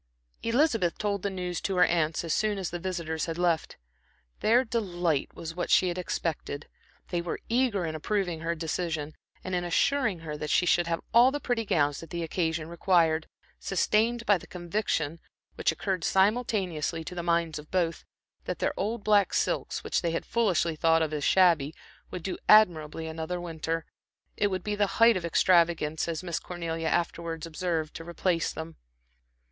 Elizabeth told the news to her aunts as soon as the visitors had left. Their delight was what she had expected. They were eager in approving her decision, and in assuring her that she should have all the pretty gowns that the occasion required, sustained by the conviction, which occurred simultaneously to the minds of both, that their old black silks, which they had foolishly thought of as shabby, would do admirably another winter. It would be the height of extravagance, as Miss Cornelia afterwards observed to replace them.